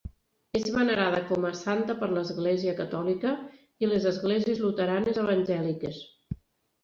És venerada com a santa per l'Església catòlica i les esglésies luteranes evangèliques.